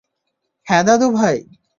হ্যাঁ দাদু ভাই!